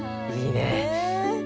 いいねぇ。